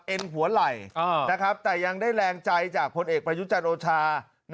หัวไหล่แต่ยังได้แรงใจจากพลเอกประยุจันทร์โอชา